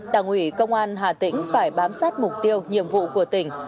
đảng ủy công an hà tĩnh phải bám sát mục tiêu nhiệm vụ của tỉnh